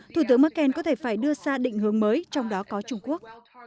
thủ tướng merkel có thể phải đưa ra định hướng mới trong đó có trung quốc